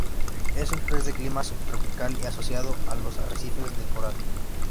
Es un pez de Clima subtropical y asociado a los arrecifes de coral.